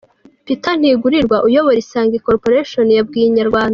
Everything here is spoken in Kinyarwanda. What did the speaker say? Peter Ntigurirwa uyobora Isange Corporation, yabwiye inyarwanda.